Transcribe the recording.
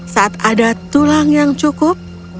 saat ada tulang yang cukup